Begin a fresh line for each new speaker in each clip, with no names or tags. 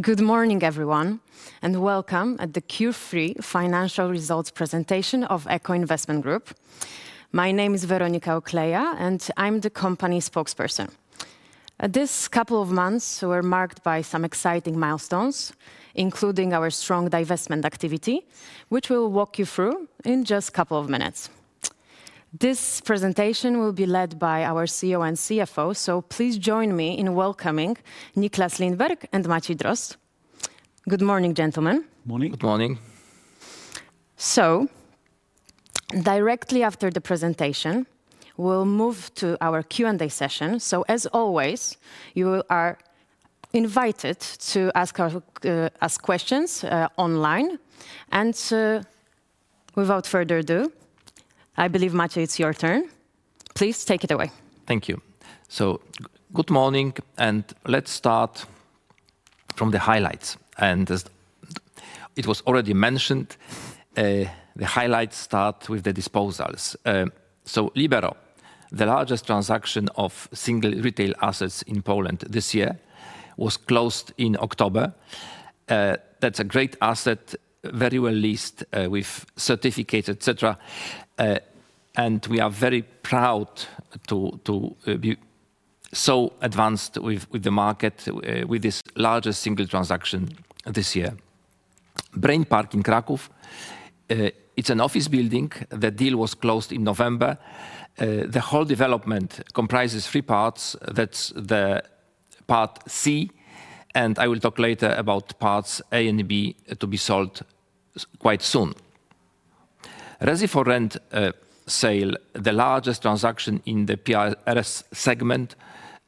Good morning, everyone, and welcome at the Q3 financial results presentation of Echo Investment Group. My name is Weronika Ukleja, and I'm the company spokesperson. These couple of months were marked by some exciting milestones, including our strong divestment activity, which we'll walk you through in just a couple of minutes. This presentation will be led by our CEO and CFO, so please join me in welcoming Nicklas Lindberg and Maciej Drozd, good morning, gentlemen.
Good morning.
Good morning.
Directly after the presentation, we'll move to our Q&A session. As always, you are invited to ask us questions online. Without further ado, I believe, Maciej, it's your turn. Please take it away.
Thank you. Good morning, and let's start from the highlights. As it was already mentioned, the highlights start with the disposals. Libero, the largest transaction of single retail assets in Poland this year, was closed in October. That is a great asset, very well listed with certificates, etc. We are very proud to be so advanced with the market with this largest single transaction this year. Brain Park in Kraków, it is an office building. The deal was closed in November. The whole development comprises three parts. That is the part C, and I will talk later about parts A and B to be sold quite soon. Resi4Rent sale, the largest transaction in the PRS segment,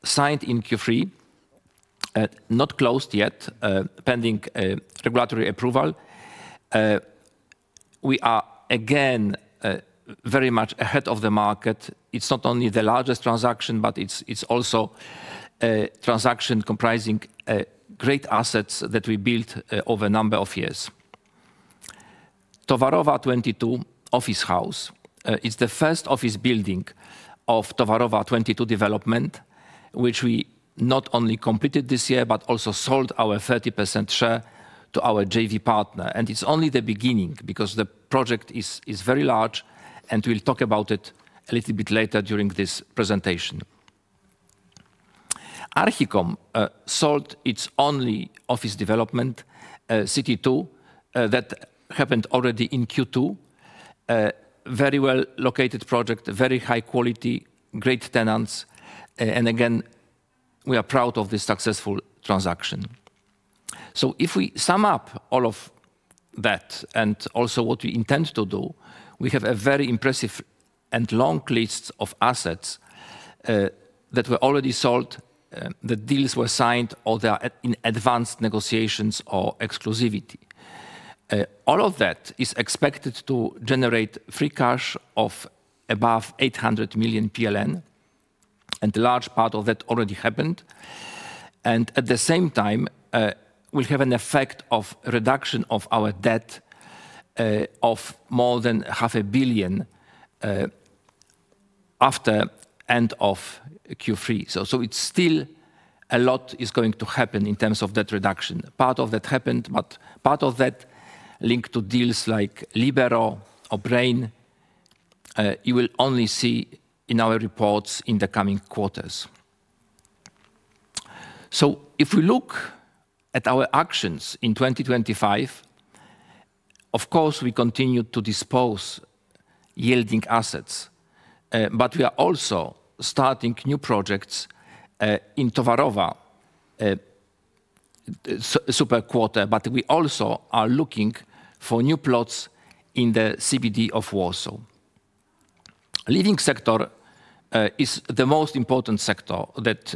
signed in Q3, not closed yet, pending regulatory approval. We are again very much ahead of the market. It's not only the largest transaction, but it's also a transaction comprising great assets that we built over a number of years. Towarowa 22 Office House, it's the first office building of Towarowa 22 development, which we not only completed this year, but also sold our 30% share to our JV partner. It's only the beginning, because the project is very large, and we'll talk about it a little bit later during this presentation. Archicom sold its only office development, City 2, that happened already in Q2, very well located project, very high quality, great tenants. We are proud of this successful transaction. If we sum up all of that, and also what we intend to do, we have a very impressive and long list of assets that were already sold, the deals were signed, or they are in advanced negotiations or exclusivity. All of that is expected to generate free cash of above 800 million PLN, and a large part of that already happened. At the same time, we will have an effect of reduction of our debt of more than 500 million after the end of Q3. It is still a lot that is going to happen in terms of debt reduction. Part of that happened, but part of that linked to deals like Libero or Brain Park, you will only see in our reports in the coming quarters. If we look at our actions in 2025, of course, we continue to dispose of yielding assets, but we are also starting new projects in Towarowa 22, super quarter, but we also are looking for new plots in the CBD of Warsaw. Living sector is the most important sector that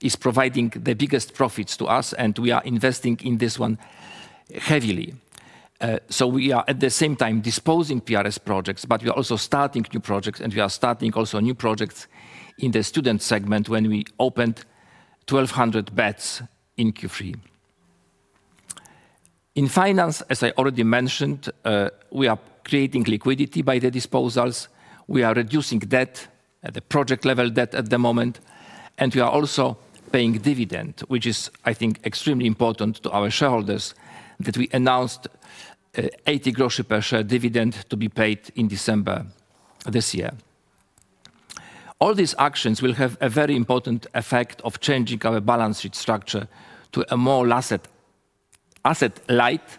is providing the biggest profits to us, and we are investing in this one heavily. We are at the same time disposing of PRS projects, but we are also starting new projects, and we are starting also new projects in the student segment when we opened 1,200 beds in Q3. In finance, as I already mentioned, we are creating liquidity by the disposals. We are reducing debt, the project-level debt at the moment, and we are also paying dividend, which is, I think, extremely important to our shareholders, that we announced 0.80 per share dividend to be paid in December this year. All these actions will have a very important effect of changing our balance sheet structure to a more asset-light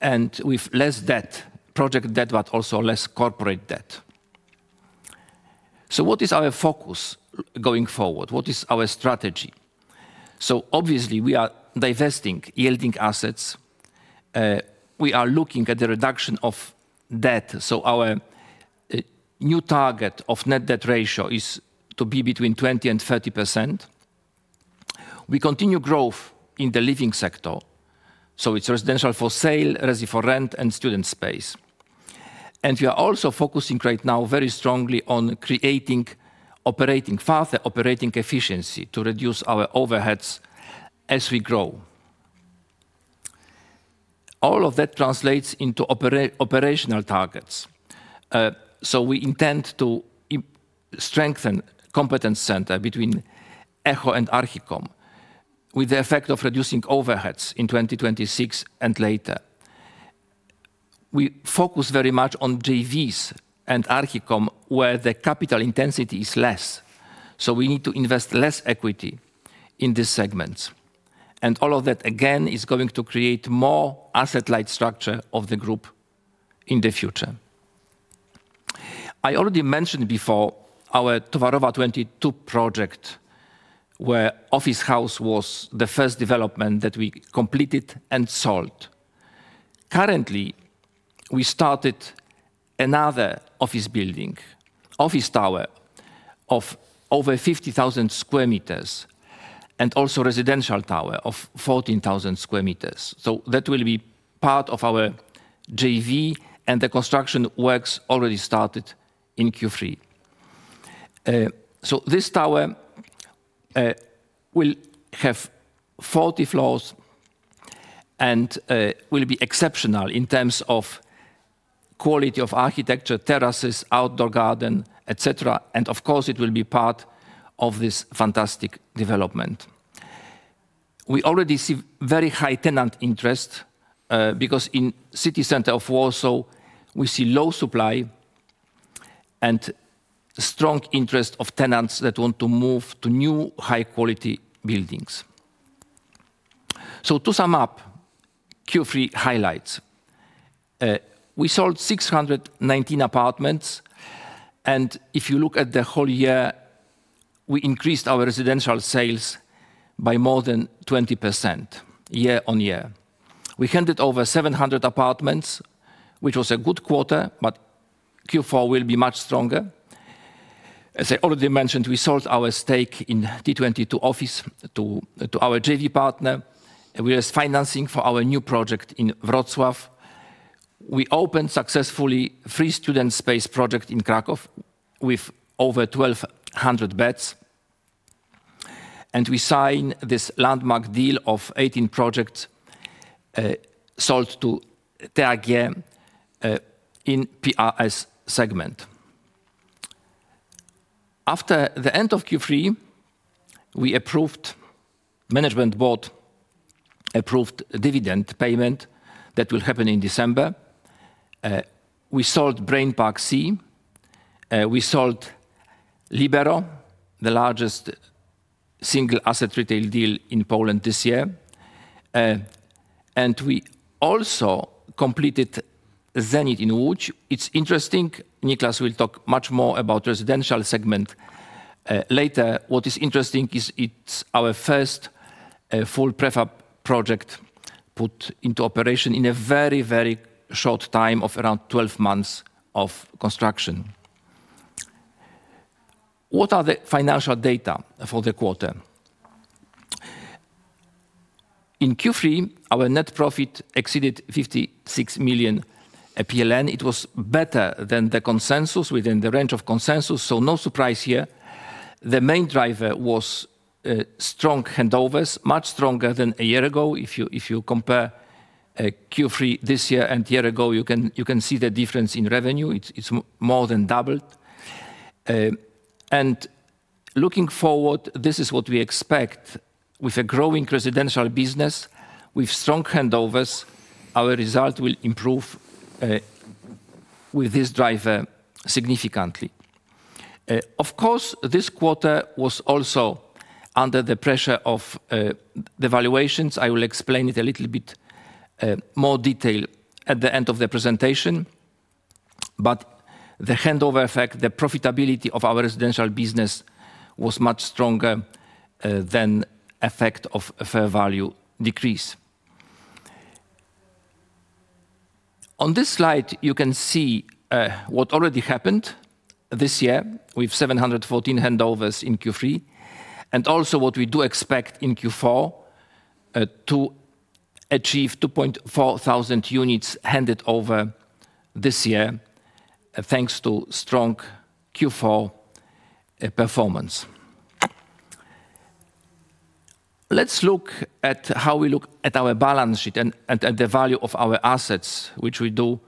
and with less debt, project debt, but also less corporate debt. What is our focus going forward? What is our strategy? Obviously, we are divesting yielding assets. We are looking at the reduction of debt. Our new target of net debt ratio is to be between 20%-30%. We continue growth in the living sector, so it is residential for sale, Resi4Rent, and Student Space. We are also focusing right now very strongly on creating operating FAF, operating efficiency to reduce our overheads as we grow. All of that translates into operational targets. We intend to strengthen competence centers between Echo and Archicom with the effect of reducing overheads in 2026 and later. We focus very much on JVs and Archicom where the capital intensity is less. We need to invest less equity in these segments. All of that, again, is going to create more asset-light structure of the group in the future. I already mentioned before our Towarowa 22 project, where Office House was the first development that we completed and sold. Currently, we started another office building, office tower of over 50,000 m², and also residential tower of 14,000 m². That will be part of our JV, and the construction works already started in Q3. This tower will have 40 floors and will be exceptional in terms of quality of architecture, terraces, outdoor garden, etc. It will be part of this fantastic development. We already see very high tenant interest, because in the city center of Warsaw, we see low supply and strong interest of tenants that want to move to new high-quality buildings. To sum up Q3 highlights, we sold 619 apartments, and if you look at the whole year, we increased our residential sales by more than 20% year on year. We handed over 700 apartments, which was a good quarter, but Q4 will be much stronger. As I already mentioned, we sold our stake in Towarowa 22 Office to our JV partner. We are financing for our new project in Wrocław. We opened successfully a free Student Space project in Kraków with over 1,200 beds, and we signed this landmark deal of 18 projects sold to TAG in the PRS segment. After the end of Q3, we approved management board approved dividend payment that will happen in December. We sold Brain Park C, we sold Libero, the largest single asset retail deal in Poland this year, and we also completed Zenit in Łódź. It's interesting, Nicklas will talk much more about the residential segment later. What is interesting is it's our first full prefab project put into operation in a very, very short time of around 12 months of construction. What are the financial data for the quarter? In Q3, our net profit exceeded 56 million PLN. It was better than the consensus within the range of consensus, so no surprise here. The main driver was strong handovers, much stronger than a year ago. If you compare Q3 this year and a year ago, you can see the difference in revenue. It has more than doubled. Looking forward, this is what we expect. With a growing residential business, with strong handovers, our result will improve with this driver significantly. Of course, this quarter was also under the pressure of the valuations. I will explain it in a little bit more detail at the end of the presentation, but the handover effect, the profitability of our residential business was much stronger than the effect of fair value decrease. On this slide, you can see what already happened this year with 714 handovers in Q3, and also what we do expect in Q4 to achieve 2,400 units handed over this year, thanks to strong Q4 performance. Let's look at how we look at our balance sheet and the value of our assets, which we do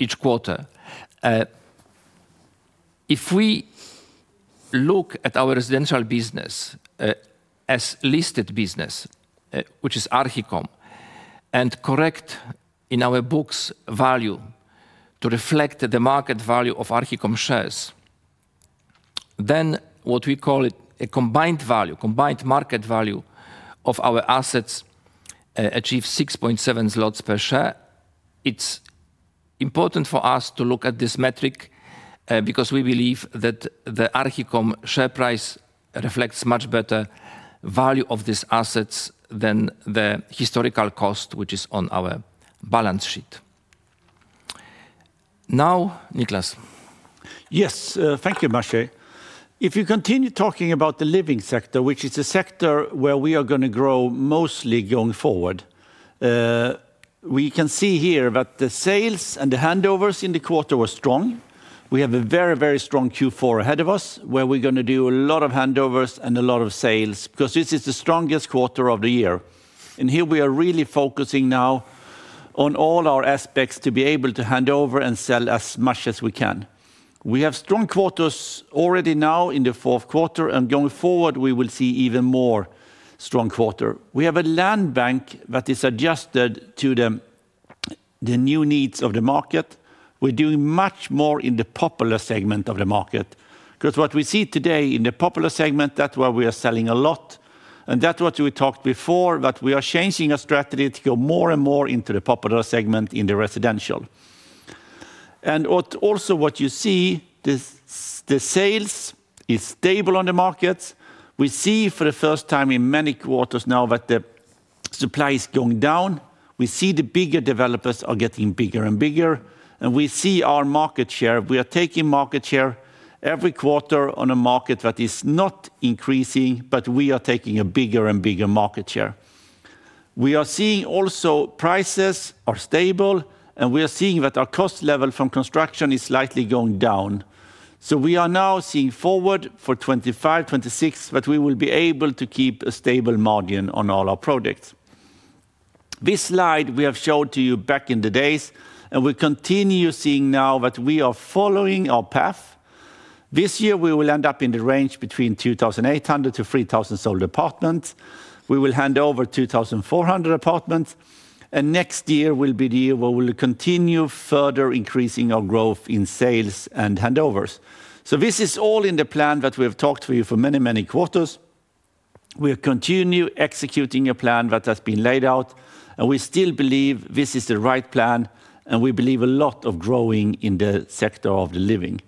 each quarter. If we look at our residential business as listed business, which is Archicom, and correct in our books value to reflect the market value of Archicom shares, then what we call a combined value, combined market value of our assets achieves 6.7 zlotys per share. It's important for us to look at this metric because we believe that the Archicom share price reflects much better value of these assets than the historical cost, which is on our balance sheet. Now, Nicklas.
Yes, thank you, Maciej. If you continue talking about the living sector, which is a sector where we are going to grow mostly going forward, we can see here that the sales and the handovers in the quarter were strong. We have a very, very strong Q4 ahead of us, where we're going to do a lot of handovers and a lot of sales, because this is the strongest quarter of the year. Here we are really focusing now on all our aspects to be able to hand over and sell as much as we can. We have strong quarters already now in the fourth quarter, and going forward, we will see even more strong quarters. We have a land bank that is adjusted to the new needs of the market. We're doing much more in the popular segment of the market, because what we see today in the popular segment, that's where we are selling a lot, and that's what we talked before, that we are changing our strategy to go more and more into the popular segment in the residential. Also, what you see, the sales are stable on the markets. We see for the first time in many quarters now that the supply is going down. We see the bigger developers are getting bigger and bigger, and we see our market share. We are taking market share every quarter on a market that is not increasing, but we are taking a bigger and bigger market share. We are seeing also prices are stable, and we are seeing that our cost level from construction is slightly going down. We are now seeing forward for 2025, 2026, that we will be able to keep a stable margin on all our projects. This slide we have showed to you back in the days, and we continue seeing now that we are following our path. This year we will end up in the range between 2,800-3,000 sold apartments. We will hand over 2,400 apartments, and next year will be the year where we will continue further increasing our growth in sales and handovers. This is all in the plan that we have talked to you for many, many quarters. We continue executing a plan that has been laid out, and we still believe this is the right plan, and we believe a lot of growing in the sector of the living.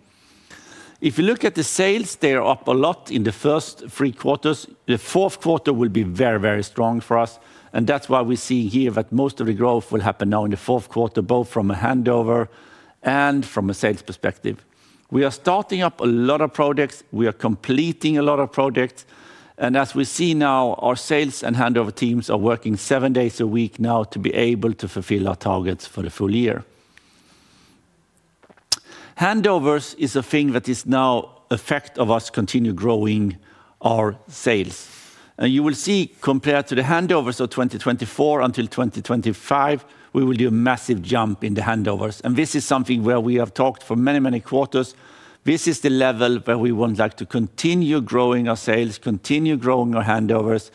If you look at the sales, they are up a lot in the first three quarters. The fourth quarter will be very, very strong for us, and that is why we see here that most of the growth will happen now in the fourth quarter, both from a handover and from a sales perspective. We are starting up a lot of projects. We are completing a lot of projects, and as we see now, our sales and handover teams are working seven days a week now to be able to fulfill our targets for the full year. Handovers is a thing that is now a fact of us continuing to grow our sales. You will see compared to the handovers of 2024 until 2025, we will do a massive jump in the handovers, and this is something where we have talked for many, many quarters. This is the level where we would like to continue growing our sales, continue growing our handovers.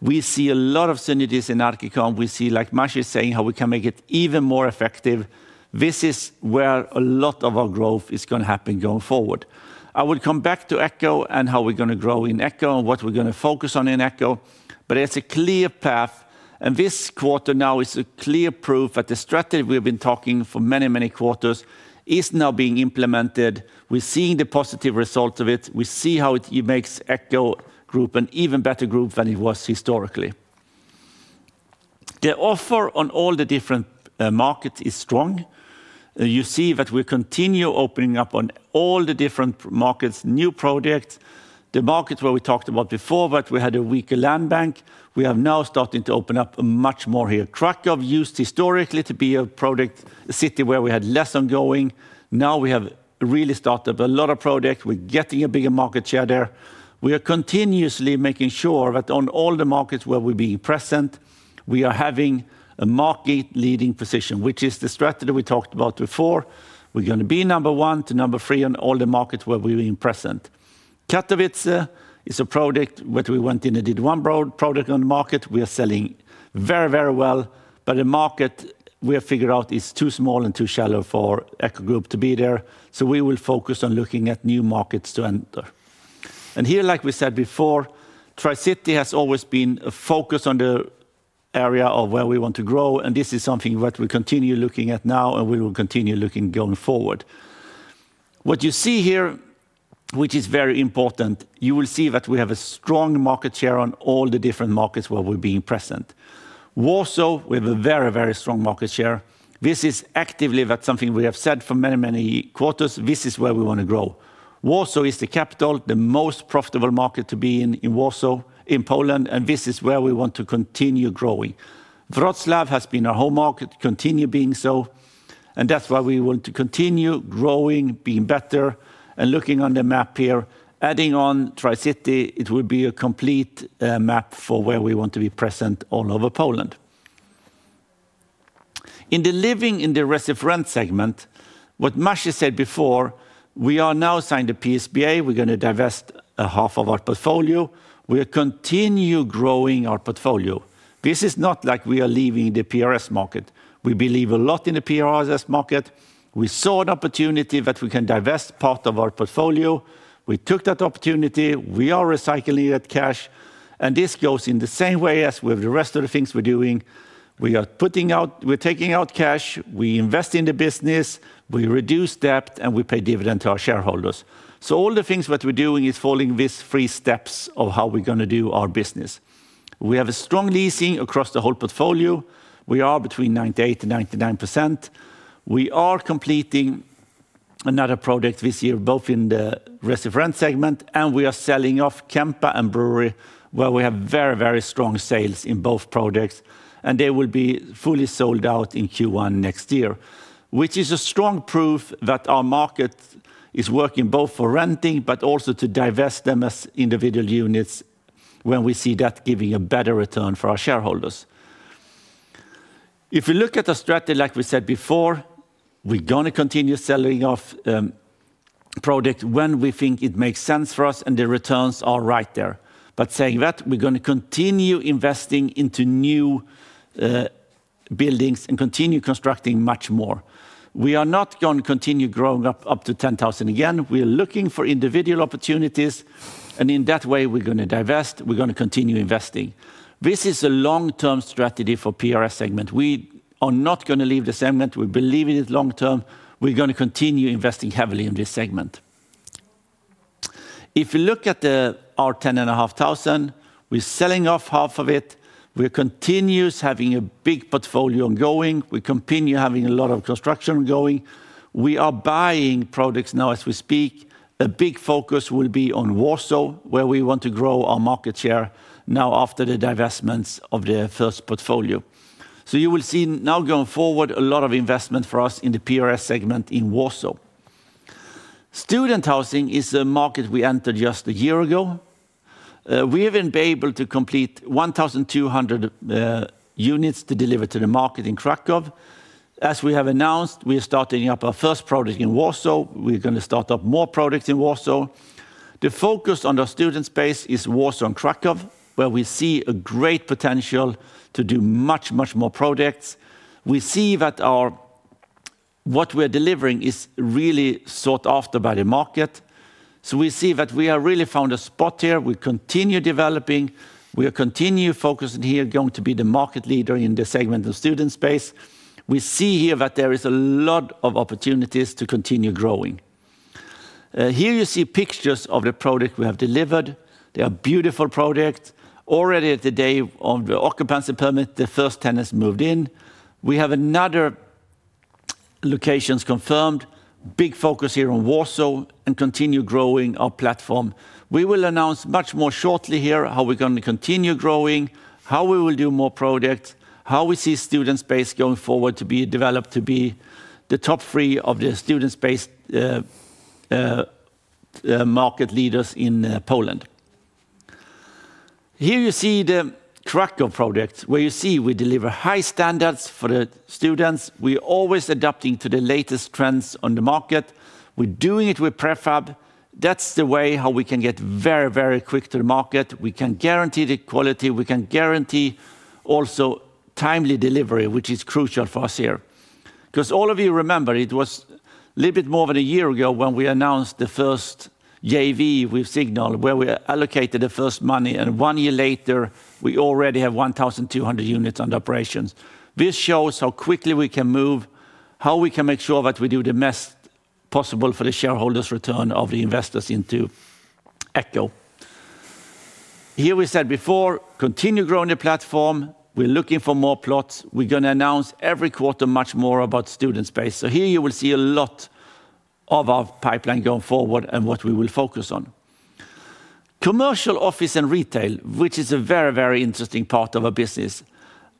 We see a lot of synergies in Archicom. We see, like Maciej is saying, how we can make it even more effective. This is where a lot of our growth is going to happen going forward. I will come back to Echo and how we're going to grow in Echo and what we're going to focus on in Echo, but it's a clear path, and this quarter now is a clear proof that the strategy we've been talking about for many, many quarters is now being implemented. We're seeing the positive results of it. We see how it makes Echo Group an even better group than it was historically. The offer on all the different markets is strong. You see that we continue opening up on all the different markets, new projects, the markets where we talked about before, but we had a weaker land bank. We are now starting to open up much more here. Kraków used historically to be a project city where we had less ongoing. Now we have really started a lot of projects. We're getting a bigger market share there. We are continuously making sure that on all the markets where we're being present, we are having a market leading position, which is the strategy we talked about before. We're going to be number one to number three on all the markets where we're being present. Katowice is a project that we went in and did one project on the market. We are selling very, very well, but the market we have figured out is too small and too shallow for Echo Group to be there, so we will focus on looking at new markets to enter. Like we said before, Tri-City has always been a focus on the area of where we want to grow, and this is something that we continue looking at now, and we will continue looking going forward. What you see here, which is very important, you will see that we have a strong market share on all the different markets where we're being present. Warsaw, we have a very, very strong market share. This is actively something we have said for many, many quarters. This is where we want to grow. Warsaw is the capital, the most profitable market to be in in Warsaw, in Poland, and this is where we want to continue growing. Wrocław has been our home market, continue being so, and that's why we want to continue growing, being better, and looking on the map here, adding on Tri-City, it will be a complete map for where we want to be present all over Poland. In the living in the residential segment, what Maciej said before, we are now signed the PSBA. We're going to divest half of our portfolio. We are continuing to grow our portfolio. This is not like we are leaving the PRS market. We believe a lot in the PRS market. We saw an opportunity that we can divest part of our portfolio. We took that opportunity. We are recycling that cash, and this goes in the same way as with the rest of the things we're doing. We are putting out, we're taking out cash, we invest in the business, we reduce debt, and we pay dividends to our shareholders. All the things that we're doing are following these three steps of how we're going to do our business. We have a strong leasing across the whole portfolio. We are between 98%-99%. We are completing another project this year, both in the residential segment, and we are selling off Kępa & Brewery, where we have very, very strong sales in both projects, and they will be fully sold out in Q1 next year, which is a strong proof that our market is working both for renting, but also to divest them as individual units when we see that giving a better return for our shareholders. If we look at our strategy, like we said before, we're going to continue selling off projects when we think it makes sense for us, and the returns are right there. Saying that, we're going to continue investing into new buildings and continue constructing much more. We are not going to continue growing up to 10,000 again. We're looking for individual opportunities, and in that way, we're going to divest. We're going to continue investing. This is a long-term strategy for the PRS segment. We are not going to leave the segment. We believe in it long-term. We're going to continue investing heavily in this segment. If you look at our 10,500, we're selling off half of it. We continue having a big portfolio ongoing. We continue having a lot of construction ongoing. We are buying products now as we speak. A big focus will be on Warsaw, where we want to grow our market share now after the divestments of the first portfolio. You will see now going forward a lot of investment for us in the PRS segment in Warsaw. Student housing is a market we entered just a year ago. We have been able to complete 1,200 units to deliver to the market in Kraków. As we have announced, we are starting up our first project in Warsaw. We're going to start up more projects in Warsaw. The focus on our Student Space is Warsaw and Kraków, where we see a great potential to do much, much more projects. We see that what we are delivering is really sought after by the market. We see that we have really found a spot here. We continue developing. We continue focusing here, going to be the market leader in the segment of Student Space. We see here that there are a lot of opportunities to continue growing. Here you see pictures of the project we have delivered. They are beautiful projects. Already at the day of the occupancy permit, the first tenants moved in. We have another location confirmed. Big focus here on Warsaw and continue growing our platform. We will announce much more shortly here how we're going to continue growing, how we will do more projects, how we see Student Space going forward to be developed to be the top three of the Student Space market leaders in Poland. Here you see the Kraków project, where you see we deliver high standards for the students. We are always adapting to the latest trends on the market. We're doing it with Prefab. That's the way how we can get very, very quick to the market. We can guarantee the quality. We can guarantee also timely delivery, which is crucial for us here. Because all of you remember, it was a little bit more than a year ago when we announced the first JV with Signal, where we allocated the first money, and one year later, we already have 1,200 units under operations. This shows how quickly we can move, how we can make sure that we do the best possible for the shareholders' return of the investors into Echo. Here we said before, continue growing the platform. We're looking for more plots. We're going to announce every quarter much more about Student Space. Here you will see a lot of our pipeline going forward and what we will focus on. Commercial office and retail, which is a very, very interesting part of our business.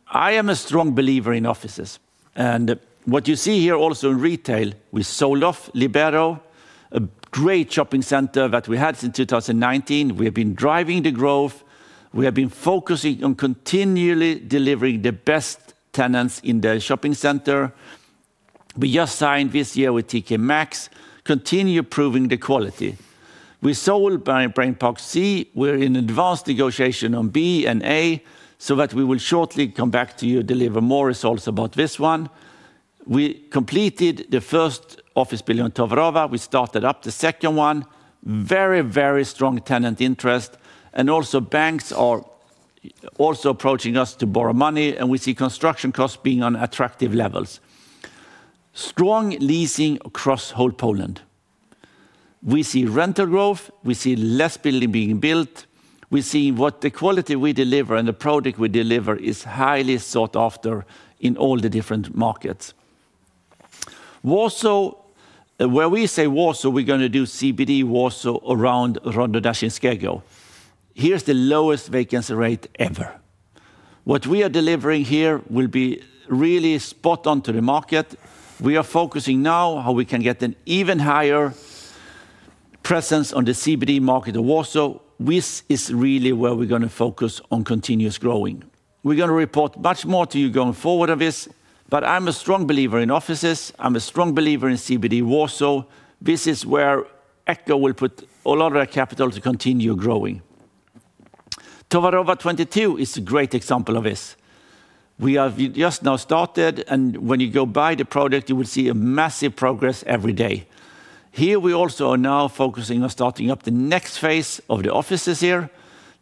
I am a strong believer in offices, and what you see here also in retail, we sold off Libero, a great shopping center that we had since 2019. We have been driving the growth. We have been focusing on continually delivering the best tenants in the shopping center. We just signed this year with TK Maxx. Continue proving the quality. We sold by Brain Park C. We're in advanced negotiation on B and A, so that we will shortly come back to you and deliver more results about this one. We completed the first office building on Towarowa. We started up the second one. Very, very strong tenant interest, and also banks are also approaching us to borrow money, and we see construction costs being on attractive levels. Strong leasing across whole Poland. We see rental growth. We see less building being built. We see what the quality we deliver and the product we deliver is highly sought after in all the different markets. Warsaw, where we say Warsaw, we're going to do CBD Warsaw around Rondo Daszyńskiego. Here is the lowest vacancy rate ever. What we are delivering here will be really spot on to the market. We are focusing now on how we can get an even higher presence on the CBD market of Warsaw. This is really where we're going to focus on continuous growing. We're going to report much more to you going forward of this, but I'm a strong believer in offices. I'm a strong believer in CBD Warsaw. This is where Echo will put a lot of their capital to continue growing. Towarowa 22 is a great example of this. We have just now started, and when you go buy the product, you will see a massive progress every day. Here we also are now focusing on starting up the next phase of the offices here.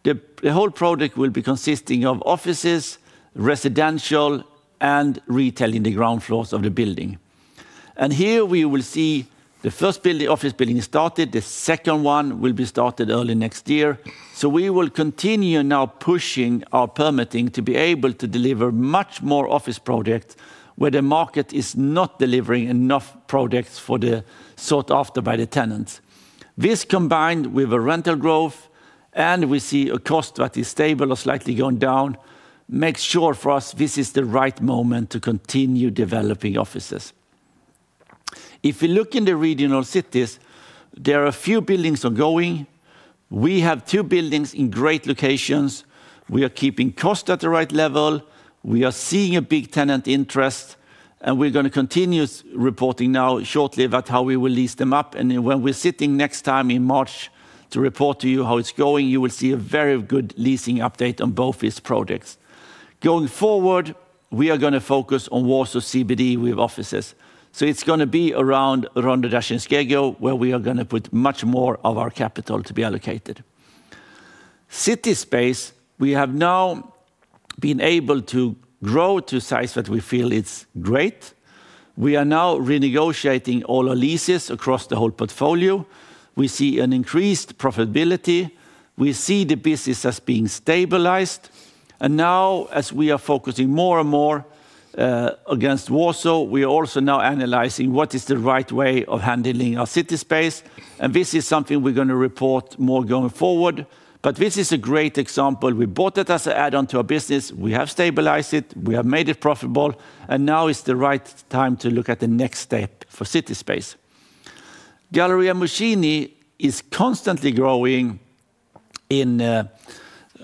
The whole project will be consisting of offices, residential, and retail in the ground floors of the building. Here we will see the first office building started. The second one will be started early next year. We will continue now pushing our permitting to be able to deliver much more office projects where the market is not delivering enough projects for the sought after by the tenants. This combined with the rental growth, and we see a cost that is stable or slightly going down, makes sure for us this is the right moment to continue developing offices. If you look in the regional cities, there are a few buildings ongoing. We have two buildings in great locations. We are keeping cost at the right level. We are seeing a big tenant interest, and we are going to continue reporting now shortly about how we will lease them up. When we are sitting next time in March to report to you how it is going, you will see a very good leasing update on both these projects. Going forward, we are going to focus on Warsaw CBD with offices. It is going to be around Rondo Daszyńskiego, where we are going to put much more of our capital to be allocated. City Space, we have now been able to grow to a size that we feel is great. We are now renegotiating all our leases across the whole portfolio. We see an increased profitability. We see the business as being stabilized. Now, as we are focusing more and more against Warsaw, we are also now analyzing what is the right way of handling our City Space. This is something we're going to report more going forward. This is a great example. We bought it as an add-on to our business. We have stabilized it. We have made it profitable. Now is the right time to look at the next step for City Space. Galeria Młociny is constantly growing in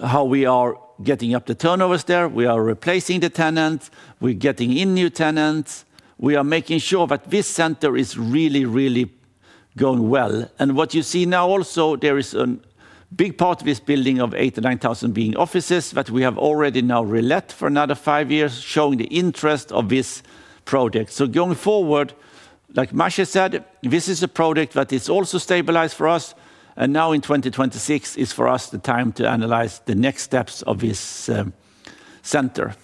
how we are getting up the turnovers there. We are replacing the tenants. We're getting in new tenants. We are making sure that this center is really, really going well. What you see now also, there is a big part of this building of 8,000-9,000 being offices that we have already now relit for another five years, showing the interest of this project. Like Maciej said, this is a project that is also stabilized for us. Now in 2026 is for us the time to analyze the next steps of this center.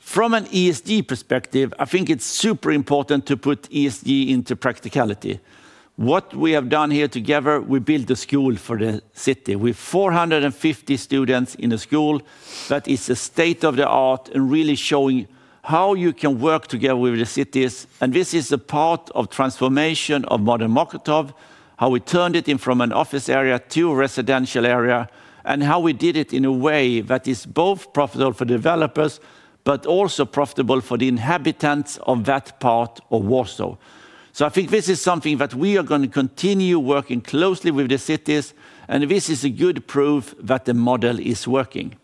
From an ESG perspective, I think it's super important to put ESG into practicality. What we have done here together, we built a school for the city. We have 450 students in a school that is state-of-the-art and really showing how you can work together with the cities. This is a part of transformation of modern Mokotów, how we turned it in from an office area to a residential area, and how we did it in a way that is both profitable for developers, but also profitable for the inhabitants of that part of Warsaw. I think this is something that we are going to continue working closely with the cities, and this is a good proof that the model is working.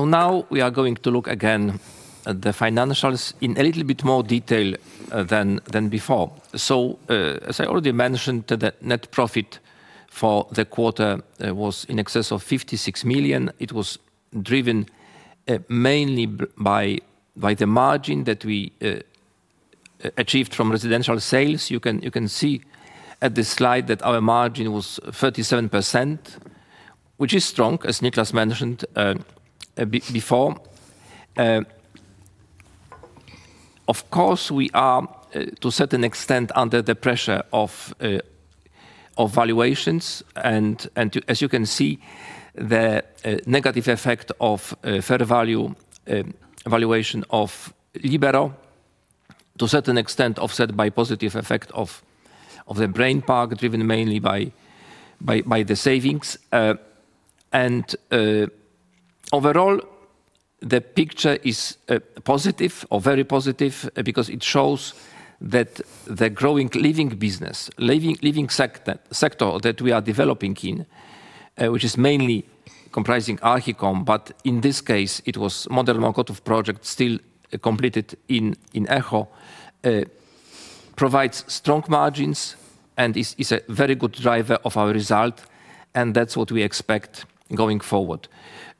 Now we are going to look again at the financials in a little bit more detail than before. As I already mentioned, the net profit for the quarter was in excess of 56 million. It was driven mainly by the margin that we achieved from residential sales. You can see at this slide that our margin was 37%, which is strong, as Nicklas mentioned before. Of course, we are, to a certain extent, under the pressure of valuations. As you can see, the negative effect of fair value valuation of Libero, to a certain extent, offset by the positive effect of the Brain Park, driven mainly by the savings. Overall, the picture is positive or very positive because it shows that the growing living business, living sector that we are developing in, which is mainly comprising Archicom, but in this case, it was Modern Mokotów project still completed in Echo, provides strong margins and is a very good driver of our result. That is what we expect going forward.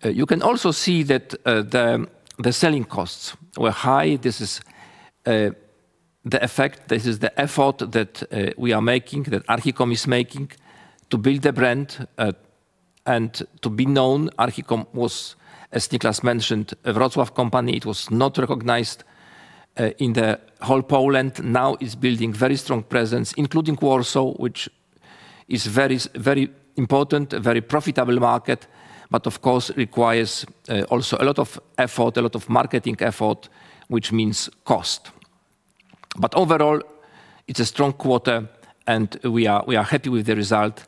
You can also see that the selling costs were high. This is the effect, this is the effort that we are making, that Archicom is making to build the brand and to be known. Archicom was, as Nicklas mentioned, a Wrocław company. It was not recognized in the whole Poland. Now it is building a very strong presence, including Warsaw, which is a very important, very profitable market, but of course, requires also a lot of effort, a lot of marketing effort, which means cost. Overall, it's a strong quarter, and we are happy with the result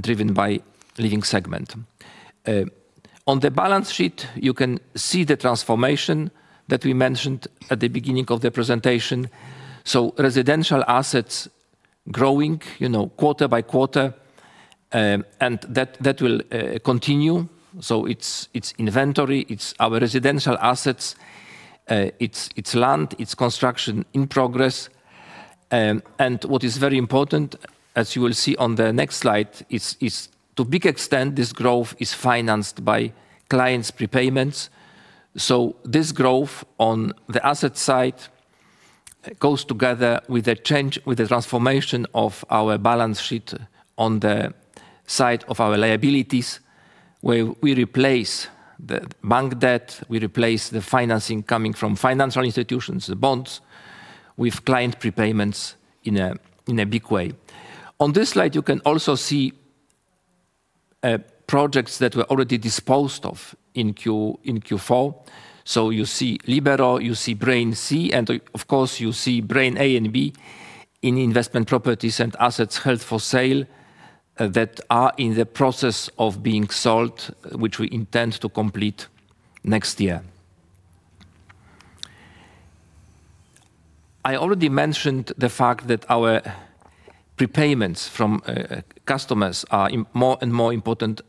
driven by living segment. On the balance sheet, you can see the transformation that we mentioned at the beginning of the presentation. Residential assets are growing quarter by quarter, and that will continue. It's inventory, it's our residential assets, it's land, it's construction in progress. What is very important, as you will see on the next slide, is to a big extent, this growth is financed by clients' prepayments. This growth on the asset side goes together with the transformation of our balance sheet on the side of our liabilities, where we replace the bank debt, we replace the financing coming from financial institutions, the bonds, with client prepayments in a big way. On this slide, you can also see projects that were already disposed of in Q4. You see Libero, you see Brain C, and of course, you see Brain A and B in investment properties and assets held for sale that are in the process of being sold, which we intend to complete next year. I already mentioned the fact that our prepayments from customers are a more and more important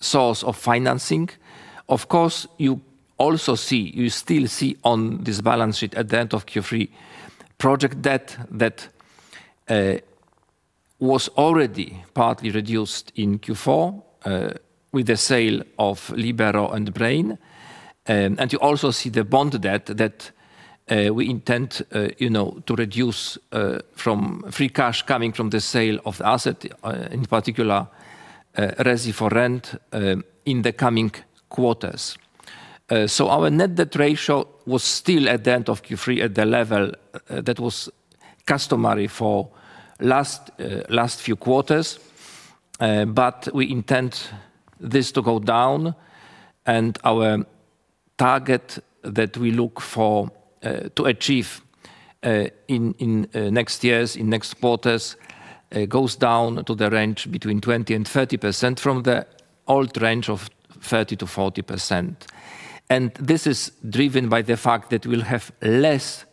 source of financing. Of course, you also see, you still see on this balance sheet at the end of Q3, project debt that was already partly reduced in Q4 with the sale of Libero and Brain. You also see the bond debt that we intend to reduce from free cash coming from the sale of the asset, in particular, Resi4Rent in the coming quarters. Our net debt ratio was still at the end of Q3 at the level that was customary for the last few quarters, but we intend this to go down. Our target that we look for to achieve in next years, in next quarters, goes down to the range between 20%-30% from the old range of 30%-40%. This is driven by the fact that we will have less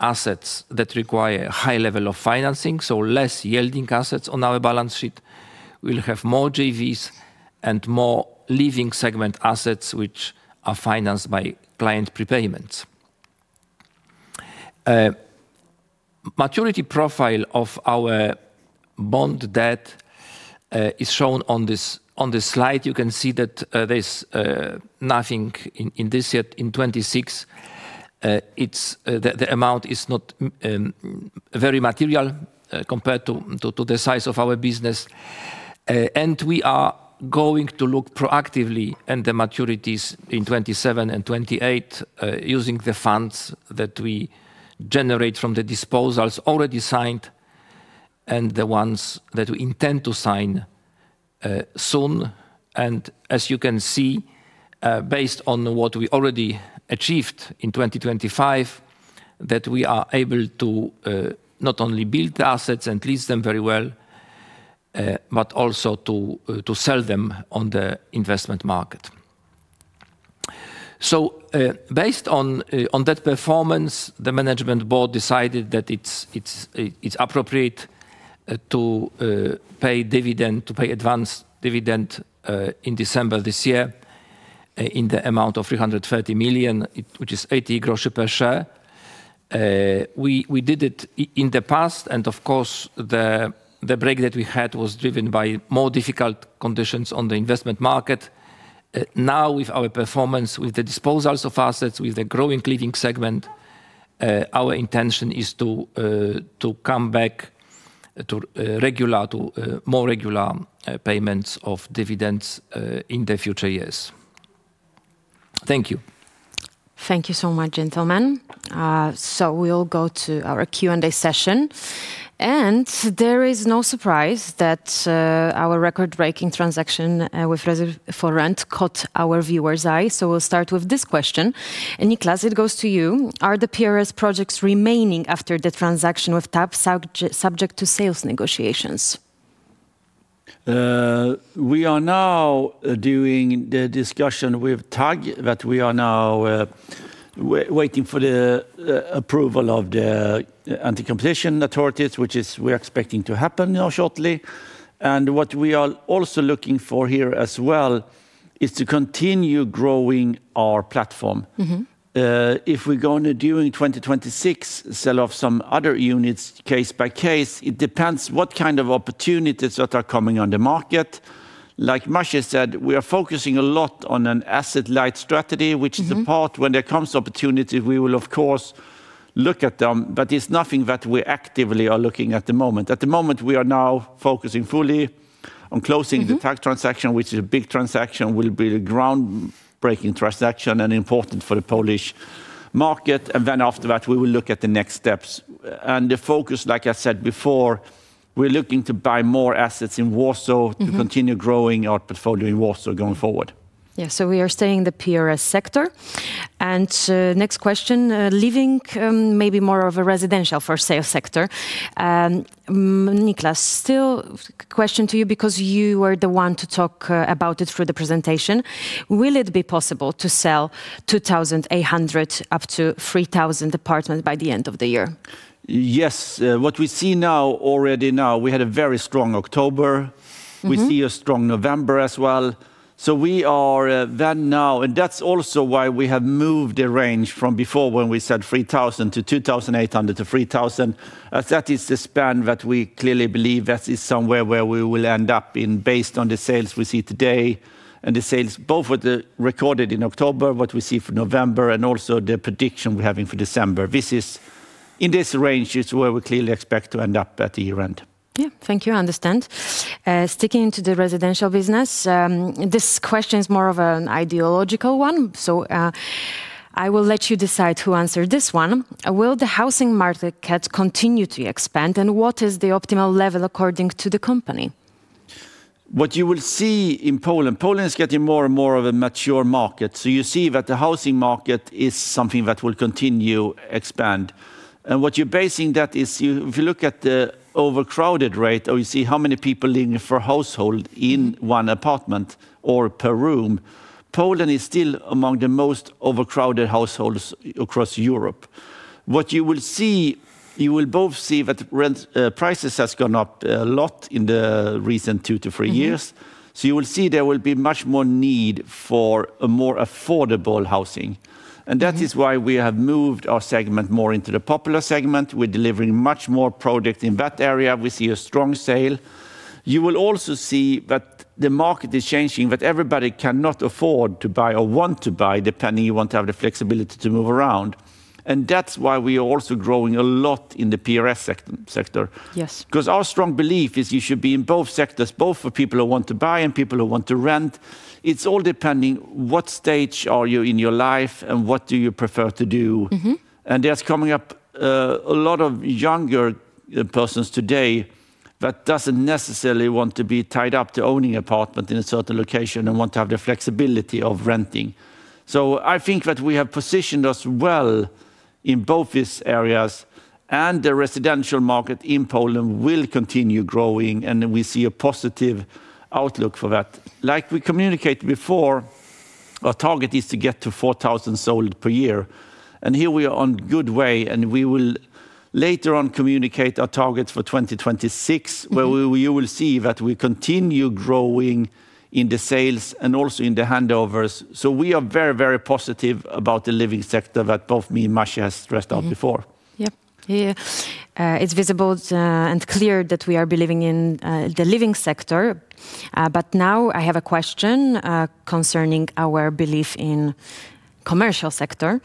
assets that require a high level of financing, so less yielding assets on our balance sheet. We will have more JVs and more living segment assets, which are financed by client prepayments. Maturity profile of our bond debt is shown on this slide. You can see that there is nothing in this yet. In 2026, the amount is not very material compared to the size of our business. We are going to look proactively at the maturities in 2027 and 2028 using the funds that we generate from the disposals already signed and the ones that we intend to sign soon. As you can see, based on what we already achieved in 2025, we are able to not only build assets and lease them very well, but also to sell them on the investment market. Based on that performance, the management board decided that it is appropriate to pay dividend, to pay advance dividend in December this year in the amount of 330 million, which is 0.80 per share. We did it in the past, and of course, the break that we had was driven by more difficult conditions on the investment market. Now, with our performance, with the disposals of assets, with the growing living segment, our intention is to come back to regular, to more regular payments of dividends in the future years. Thank you.
Thank you so much, gentlemen. We will go to our Q&A session. There is no surprise that our record-breaking transaction with Resi4Rent caught our viewers' eyes. We will start with this question. Niklas, it goes to you. Are the PRS projects remaining after the transaction with TAG subject to sales negotiations?
We are now doing the discussion with TAG. We are now waiting for the approval of the anti-competition authorities, which we are expecting to happen shortly. What we are also looking for here as well is to continue growing our platform. If we're going to, during 2026, sell off some other units case by case, it depends what kind of opportunities that are coming on the market. Like Maciej said, we are focusing a lot on an asset-light strategy, which is the part when there comes opportunity, we will, of course, look at them. It is nothing that we actively are looking at the moment. At the moment, we are now focusing fully on closing the TAG transaction, which is a big transaction, will be a groundbreaking transaction and important for the Polish market. After that, we will look at the next steps. The focus, like I said before, we are looking to buy more assets in Warsaw to continue growing our portfolio in Warsaw going forward.
Yeah, we are staying in the PRS sector. Next question, living, maybe more of a residential for sale sector. Nicklas, still a question to you because you were the one to talk about it through the presentation. Will it be possible to sell 2,800 up to 3,000 apartments by the end of the year?
Yes, what we see now already now, we had a very strong October. We see a strong November as well. We are then now, and that's also why we have moved the range from before when we said 3,000 to 2,800-3,000. That is the span that we clearly believe that is somewhere where we will end up in based on the sales we see today and the sales both what the recorded in October, what we see for November, and also the prediction we're having for December. This is in this range is where we clearly expect to end up at the year end.
Yeah, thank you, I understand. Sticking to the residential business, this question is more of an ideological one. I will let you decide who answered this one. Will the housing market continue to expand and what is the optimal level according to the company?
What you will see in Poland, Poland is getting more and more of a mature market. You see that the housing market is something that will continue to expand. What you're basing that is if you look at the overcrowded rate or you see how many people living per household in one apartment or per room, Poland is still among the most overcrowded households across Europe. You will see, you will both see that rent prices have gone up a lot in the recent two to three years. You will see there will be much more need for more affordable housing. That is why we have moved our segment more into the popular segment. We are delivering much more projects in that area. We see a strong sale. You will also see that the market is changing, that everybody cannot afford to buy or want to buy, depending if you want to have the flexibility to move around. That is why we are also growing a lot in the PRS sector. Yes. Because our strong belief is you should be in both sectors, both for people who want to buy and people who want to rent. It is all depending what stage are you in your life and what you prefer to do. There is coming up a lot of younger persons today that do not necessarily want to be tied up to owning an apartment in a certain location and want to have the flexibility of renting. I think that we have positioned us well in both these areas and the residential market in Poland will continue growing and we see a positive outlook for that. Like we communicated before, our target is to get to 4,000 sold per year. Here we are on a good way and we will later on communicate our targets for 2026, where you will see that we continue growing in the sales and also in the handovers. We are very, very positive about the living sector that both me and Maciej have stressed out before.
Yep. It's visible and clear that we are believing in the living sector. Now I have a question concerning our belief in the commercial sector.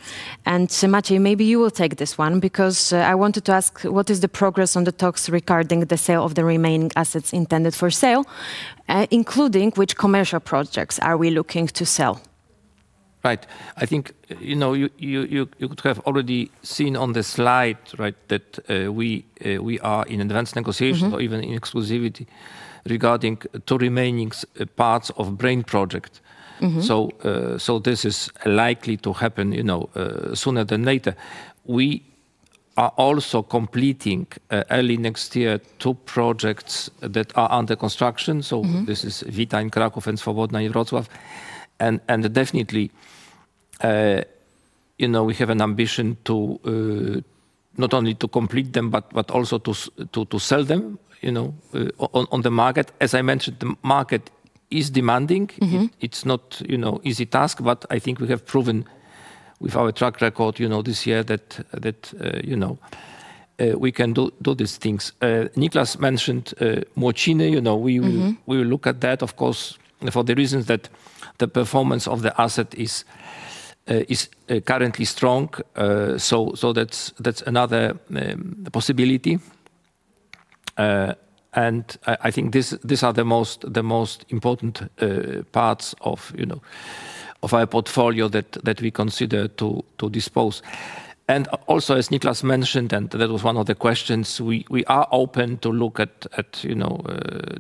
Maciej, maybe you will take this one because I wanted to ask what is the progress on the talks regarding the sale of the remaining assets intended for sale, including which commercial projects are we looking to sell?
Right. I think you could have already seen on the slide that we are in advanced negotiations or even in exclusivity regarding two remaining parts of the Brain Park project. This is likely to happen sooner than later. We are also completing early next year two projects that are under construction. This is Vita in Kraków and Swobodna in Wrocław. Definitely, we have an ambition to not only complete them, but also to sell them on the market. As I mentioned, the market is demanding. It's not an easy task, but I think we have proven with our track record this year that we can do these things. Niklas mentioned Młociny. We will look at that, of course, for the reasons that the performance of the asset is currently strong. That is another possibility. I think these are the most important parts of our portfolio that we consider to dispose. Also, as Niklas mentioned, and that was one of the questions, we are open to look at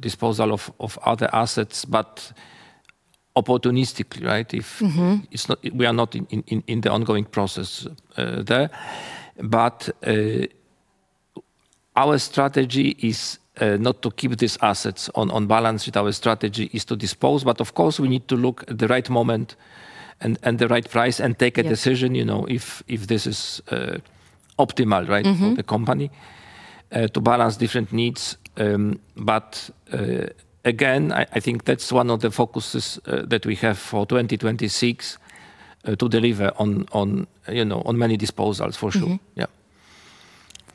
disposal of other assets, but opportunistically, right? We are not in the ongoing process there. Our strategy is not to keep these assets on balance with our strategy is to dispose. Of course, we need to look at the right moment and the right price and take a decision if this is optimal for the company to balance different needs. Again, I think that is one of the focuses that we have for 2026 to deliver on many disposals for sure. Yeah.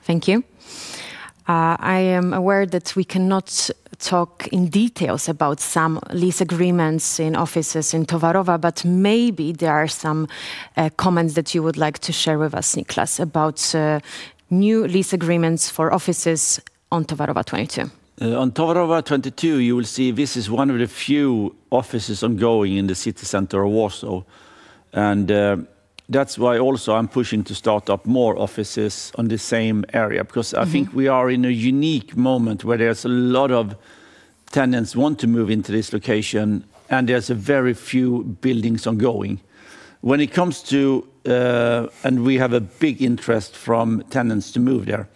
Thank you. I am aware that we cannot talk in details about some lease agreements in offices in Towarowa, but maybe there are some comments that you would like to share with us, Nicklas, about new lease agreements for offices on Towarowa 22.
On Towarowa 22, you will see this is one of the few offices ongoing in the city center of Warsaw. That is why also I am pushing to start up more offices in the same area because I think we are in a unique moment where there is a lot of tenants who want to move into this location and there are very few buildings ongoing. When it comes to, and we have a big interest from tenants to move there.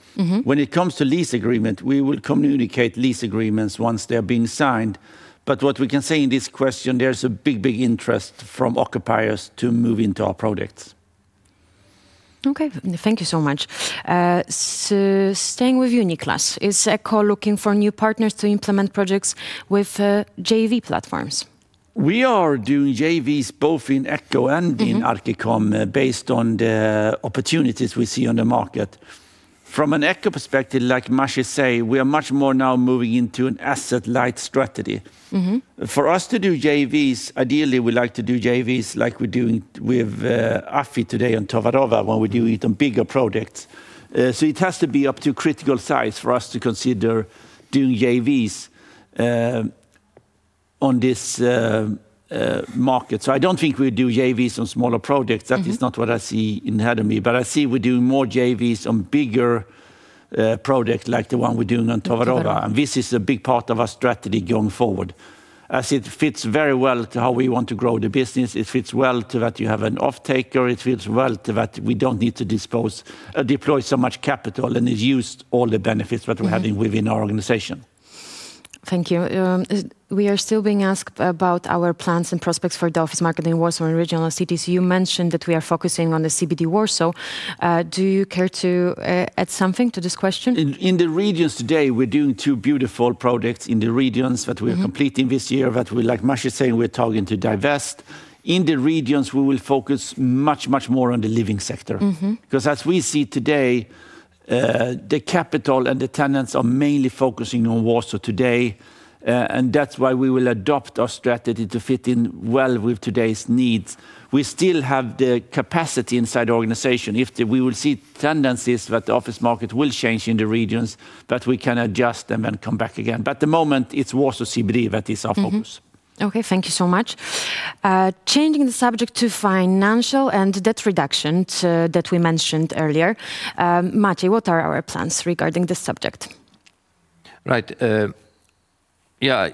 When it comes to lease agreement, we will communicate lease agreements once they are being signed. What we can say in this question, there's a big, big interest from occupiers to move into our projects.
Okay. Thank you so much. Staying with you, Nicklas, is Echo looking for new partners to implement projects with JV platforms?
We are doing JVs both in Echo and in Archicom based on the opportunities we see on the market. From an Echo perspective, like Maciej said, we are much more now moving into an asset-light strategy. For us to do JVs, ideally we like to do JVs like we're doing with AFI today on Towarowa when we do it on bigger projects. It has to be up to critical size for us to consider doing JVs on this market. I don't think we'll do JVs on smaller projects. That is not what I see in front of me. I see we're doing more JVs on bigger projects like the one we're doing on Towarowa. This is a big part of our strategy going forward. It fits very well to how we want to grow the business, it fits well to that you have an off-taker. It fits well to that we don't need to deploy so much capital and it uses all the benefits that we're having within our organization.
Thank you. We are still being asked about our plans and prospects for the office market in Warsaw and regional cities. You mentioned that we are focusing on the CBD Warsaw. Do you care to add something to this question?
In the regions today, we're doing two beautiful projects in the regions that we are completing this year that we, like Maciej is saying, we're targeting to divest. In the regions, we will focus much, much more on the living sector. Because as we see today, the capital and the tenants are mainly focusing on Warsaw today. That is why we will adopt our strategy to fit in well with today's needs. We still have the capacity inside the organization. We will see tendencies that the office market will change in the regions, but we can adjust them and come back again. At the moment, it is Warsaw CBD that is our focus.
Okay. Thank you so much. Changing the subject to financial and debt reduction that we mentioned earlier, Maciej, what are our plans regarding this subject?
Right. Yeah,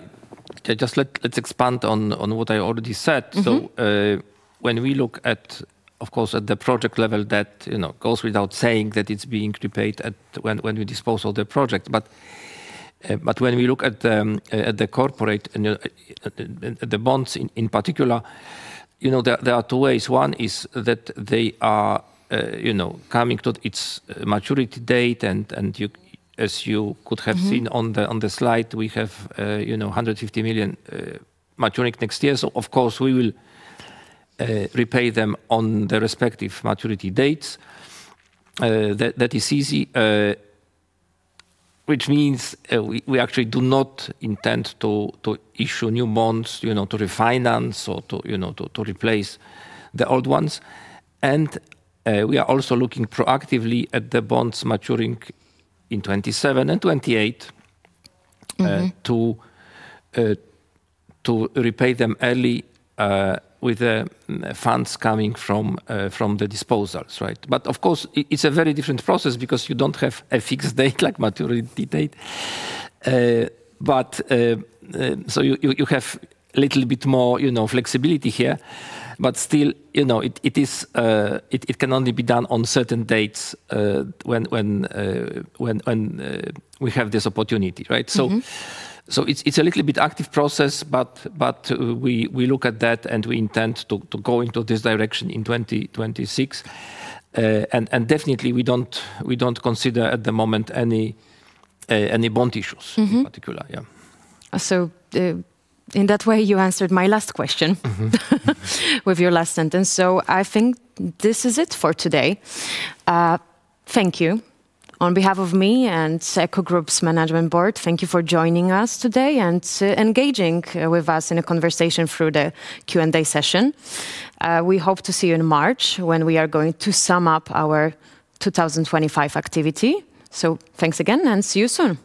just let's expand on what I already said. When we look at, of course, at the project level that goes without saying that it is being repaid when we dispose of the project. When we look at the corporate and the bonds in particular, there are two ways. One is that they are coming to its maturity date. As you could have seen on the slide, we have 150 million maturing next year. Of course, we will repay them on their respective maturity dates. That is easy, which means we actually do not intend to issue new bonds to refinance or to replace the old ones. We are also looking proactively at the bonds maturing in 2027 and 2028 to repay them early with the funds coming from the disposals. Of course, it is a very different process because you do not have a fixed date like a maturity date, so you have a little bit more flexibility here. Still, it can only be done on certain dates when we have this opportunity. It is a little bit active process, but we look at that and we intend to go into this direction in 2026. Definitely, we do not consider at the moment any bond issues in particular. Yeah.
In that way, you answered my last question with your last sentence. I think this is it for today. Thank you on behalf of me and Echo Group's Management Board. Thank you for joining us today and engaging with us in a conversation through the Q&A session. We hope to see you in March when we are going to sum up our 2025 activity. Thanks again and see you soon.